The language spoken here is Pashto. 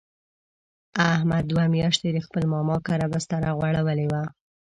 احمد دوه میاشتې د خپل ماما کره بستره غوړولې وه.